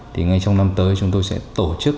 thì ngay trong năm tới chúng tôi sẽ tổ chức